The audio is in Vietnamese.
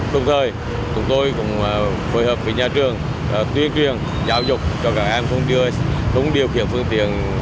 đồng thời chúng tôi cũng phối hợp với nhà trường tuyên truyền giáo dục cho các em không điều khiển phương tiện